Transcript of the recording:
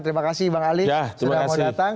terimakasih bang ali sudah mau datang